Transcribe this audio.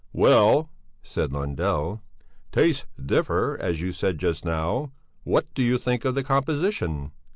"Well," said Lundell, "tastes differ, as you said just now. What do you think of the composition?"